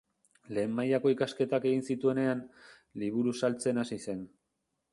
Lehen mailako ikasketak egin zituenean, liburu saltzen hasi zen.